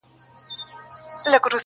آسمانه ما ستا د ځوانۍ په تمه؛